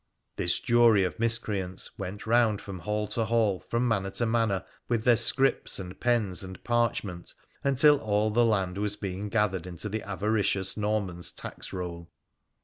This jury of miscreants went round from hall to hall, from manor to manor, with their scrips and pens and parchment, until all the land was being gathered into the avaricious Norman's tax roll.